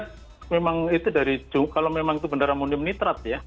kalau saya lihat memang itu dari kalau memang itu benar amonium nitrat ya